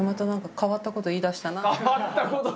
変わったこと言い出したなと。